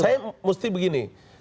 saya mesti begini